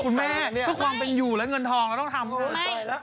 คุณแม่คุณความเป็นอยู่นะเงินทองแล้วต้องทำฮือเดี๋ยวทำไมลอง